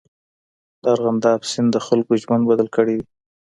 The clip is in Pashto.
د ارغنداب سیند د خلکو ژوند بدل کړی دی.